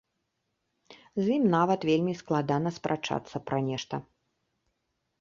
З ім нават вельмі складана спрачацца пра нешта.